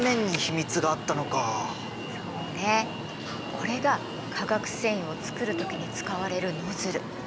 これが化学繊維を作る時に使われるノズル。